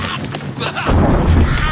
うわーっ！